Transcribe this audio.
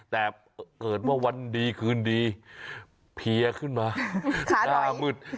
แต่เกิดว่าวันดีคืนดีเพียขึ้นมาหน้ามืด